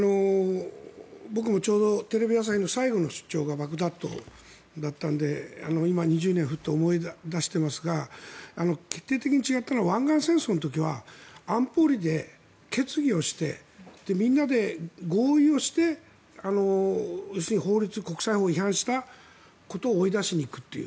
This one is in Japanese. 僕もちょうどテレビ朝日の最後の出張がバグダッドだったので今、２０年ふっと思い出していますが決定的に違ったのは湾岸戦争の時は安保理で決議をしてみんなで合意をして要するに国際法に違反したことを追い出しに行くっていう。